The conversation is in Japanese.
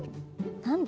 何だ？